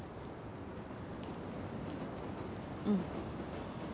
うん。